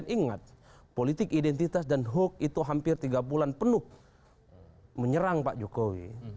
ingat politik identitas dan hoax itu hampir tiga bulan penuh menyerang pak jokowi